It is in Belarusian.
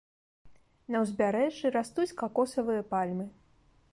На ўзбярэжжы растуць какосавыя пальмы.